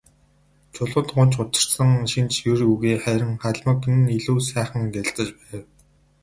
Чулуунд гуньж гутарсан шинж ер үгүй, харин халимаг нь илүү сайхан гялалзаж байв.